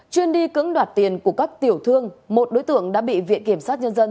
chuyên đi cứng đoạt tiền của các tiểu thương một đối tượng đã bị viện kiểm sát nhân dân